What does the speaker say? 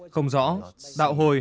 không rõ đạo hồi